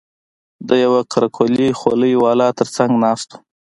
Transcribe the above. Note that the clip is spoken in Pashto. د يوه قره قلي خولۍ والا تر څنگ ناست و.